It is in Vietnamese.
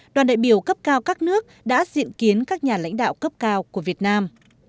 đoàn đại biểu cấp cao các nước đã diện kiến các nhà lãnh đạo cấp cao của việt nam